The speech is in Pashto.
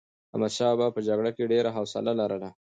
احمدشاه بابا په جګړه کې ډېر حوصله لرله.